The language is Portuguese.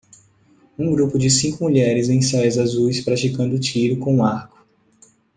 Um grupo de cinco mulheres em saias azuis praticando tiro com arco.